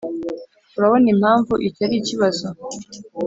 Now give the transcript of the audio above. urabona impamvu iki ari ikibazo?